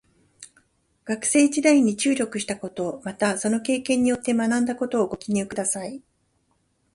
学生時代に注力したこと、またその経験によって学んだことをご記入ください。